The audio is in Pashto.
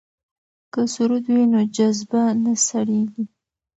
که سرود وي نو جذبه نه سړیږي.